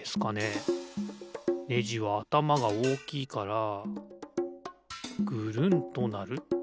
ネジはあたまがおおきいからぐるんとなる。